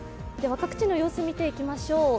各地の様子を見ていきましょう。